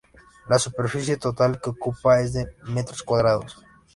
La superficie total que ocupa es de metros cuadrados.